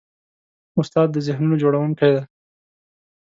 استاد د ذهنونو جوړوونکی دی.